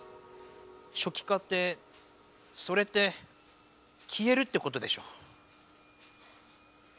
しょきかってそれってきえるってことでしょ？